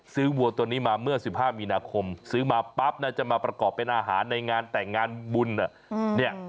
วัวตัวนี้มาเมื่อ๑๕มีนาคมซื้อมาปั๊บน่าจะมาประกอบเป็นอาหารในงานแต่งงานบุญ